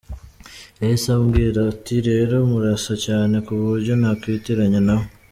Yahise ambwira ati rero murasa cyane ku buryo nakwitiranyaga nawe.